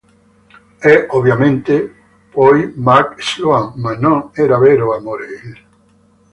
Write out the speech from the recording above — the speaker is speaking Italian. E ovviamente, poi Mark Sloan, ma non era vero amore lì.